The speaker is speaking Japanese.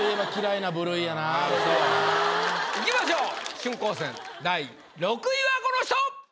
いきましょう春光戦第６位はこの人！